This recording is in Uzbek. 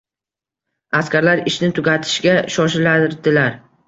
Askarlar ishni tugatishga shoshilardilar